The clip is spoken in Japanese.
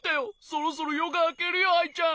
そろそろよがあけるよアイちゃん。